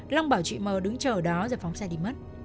long bảo chị m đứng chờ ở đó rồi phóng xe đi mất